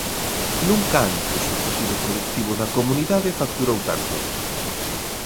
Nunca antes o tecido produtivo da comunidade facturou tanto.